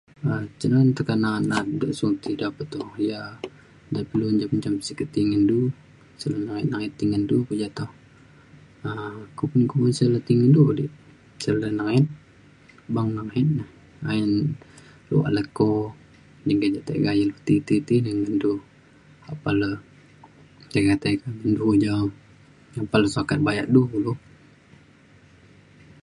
um cinaan teka na’a na’at da sunti ja pe to nta pe lu njam njam sik ke ti ngen du asal le nayet nayet ti ngen du keja toh um kumbin kumbin sik le ti ngen du le dik sik le nengayet beng nengayet na ayen luak leko de engke ja tiga ilu ti ti ti ngen du apan le tiga tiga ngen du oja apan le sukat bayak du kulu